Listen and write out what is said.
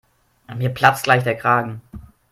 Mir platzt gleich der Kragen.